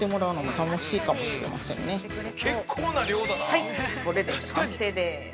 ◆はい、これで完成です。